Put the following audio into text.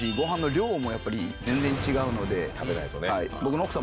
食べないとね。